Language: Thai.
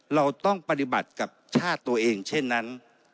เราต้องปฏิบัติกับชาติตัวเองเช่นนั้น